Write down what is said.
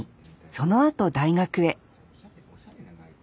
そのあと大学へ。